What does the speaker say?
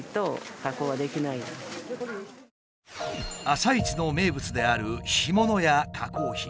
朝市の名物である干物や加工品。